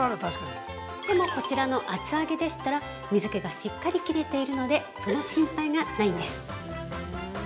でも、こちらの厚揚げでしたら水気がしっかり切れているのでその心配がないんです。